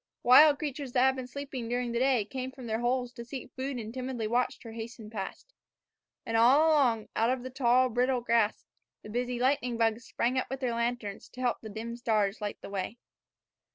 Wild creatures that had been sleeping during the day came from their holes to seek food and timidly watched her hasten past. And all along, out of the tall, brittle grass, the busy lightning bugs sprang up with their lanterns to help the dim stars light the way.